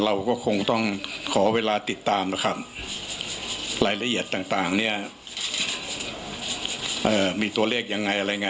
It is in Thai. เราก็คงต้องขอเวลาติดตามนะครับรายละเอียดต่างมีตัวเรียกยังไง